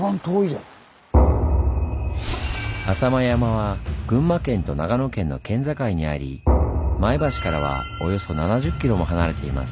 浅間山は群馬県と長野県の県境にあり前橋からはおよそ７０ｋｍも離れています。